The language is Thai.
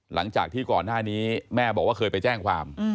หลังจากที่ก่อนหน้านี้แม่บอกว่าเคยไปแจ้งความ